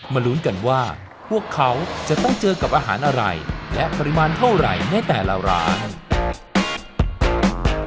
ลุ้นกันว่าพวกเขาจะต้องเจอกับอาหารอะไรและปริมาณเท่าไหร่ในแต่ละร้าน